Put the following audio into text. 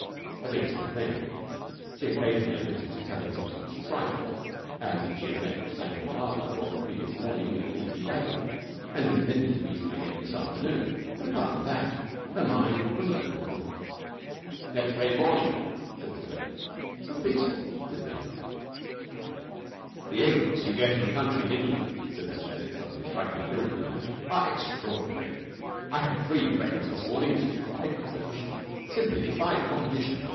At least, not many. She occasionally omitted to tell him some such trifle as that she had met Samuel Marlowe on the previous morning in a leafy lane, and intended to meet him again this afternoon, but apart from that her mind was an open book. "It's a great morning," said Mr. Bennett. "So peaceful," said Billie. "The eggs you get in the country in England," said Mr. Bennett, suddenly striking a lyrical note, "are extraordinary. I had three for breakfast this morning which defied competition, simply defied competition.